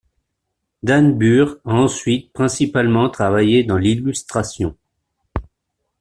Dan Burr a ensuite principalement travaillé dans l'illustration.